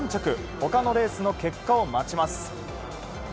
他のレースの結果を待ちます。